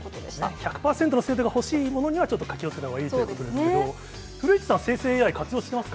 １００％の精度が欲しいものには、ちょっと気をつけたほうがいいということですけれども、古市さん、生成ＡＩ、活用します